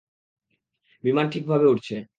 বিমান ঠিকভাবে উড়ছে।